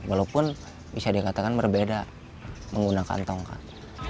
walaupun bisa dikatakan berbeda menggunakan tongkat